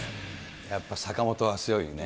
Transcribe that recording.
やっぱ坂本は強いよね。